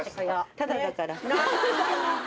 タダだから。